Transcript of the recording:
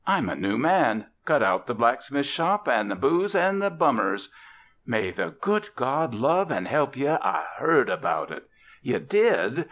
"I'm a new man! Cut out the blacksmith shop an' the booze an' the bummers." "May the good God love an' help ye! I heard about it." "Ye did?"